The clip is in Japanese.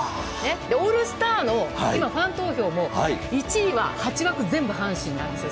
オールスターの今、ファン投票も１位は８枠全部、阪神なんですよ。